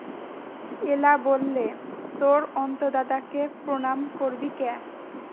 এলা বললে, তোর অন্তুদাদাকে প্রণাম করবি নে?